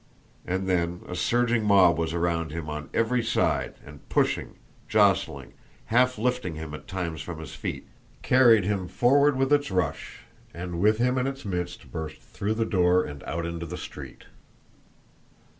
And then a surging mob was around him on every side, and, pushing, jostling, half lifting him at times from his feet, carried him forward with its rush, and with him in its midst burst through the door and out into the street.